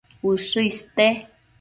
Ushë iste